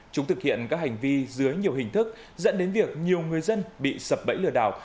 chúng thực hiện các hành vi dưới nhiều hình thức dẫn đến việc nhiều người dân bị sập bẫy lừa đảo